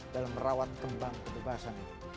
dalam merawat kembang kebebasan